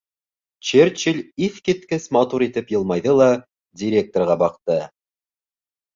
Черчилль иҫ киткес матур итеп йылмайҙы ла директорға баҡты: